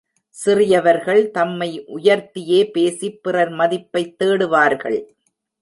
சிறியவர்கள் தம்மை உயர்த்தியே பேசிப் பிறர் மதிப்பைத் தேடுவார்கள்.